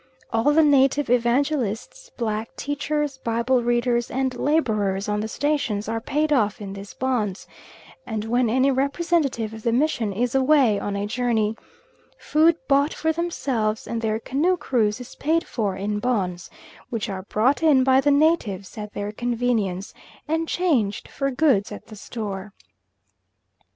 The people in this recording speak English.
All the native evangelists, black teachers, Bible readers and labourers on the stations are paid off in these bons; and when any representative of the mission is away on a journey, food bought for themselves and their canoe crews is paid for in bons, which are brought in by the natives at their convenience, and changed for goods at the store.